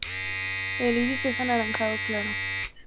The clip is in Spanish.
El iris es anaranjado claro.